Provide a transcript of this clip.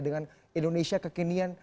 dengan indonesia kekinian